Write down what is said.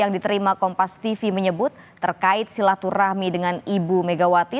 yang diterima kompas tv menyebut terkait silaturahmi dengan ibu megawati